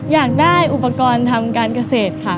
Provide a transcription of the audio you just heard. อยากได้อุปกรณ์ทำการเกษตรค่ะ